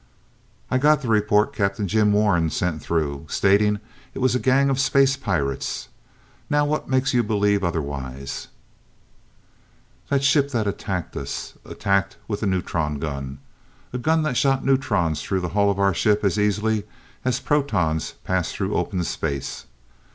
"I got the report Captain Jim Warren sent through, stating it was a gang of space pirates. Now what makes you believe otherwise?" "That ship that attacked us, attacked with a neutron gun, a gun that shot neutrons through the hull of our ship as easily as protons pass through open space.